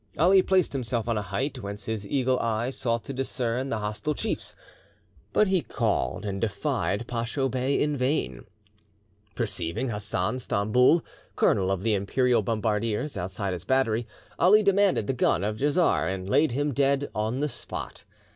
Ali placed himself on a height, whence his eagle eye sought to discern the hostile chiefs; but he called and defied Pacho Bey in vain. Perceiving Hassan Stamboul, colonel of the Imperial bombardiers outside his battery, Ali demanded the gun of Djezzar, and laid him dead on the spot.